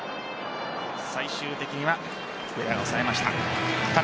最終的には糸原が押さえました。